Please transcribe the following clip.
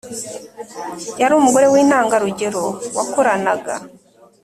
Yari umugore w intangarugero wakoranaga